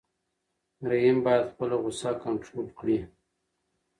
رحیم باید خپله غوسه کنټرول کړي.